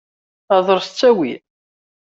Hḍeṛ s ttawil!